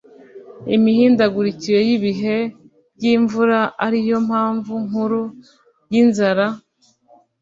imihindagurikire y ibihe by imvura ari yo mpamvu nkuru y inzara